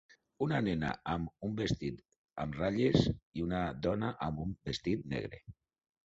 Una nena amb un vestit amb ratlles i una dona amb un vestit negre.